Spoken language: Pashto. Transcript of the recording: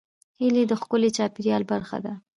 هیلۍ د ښکلي چاپېریال برخه ده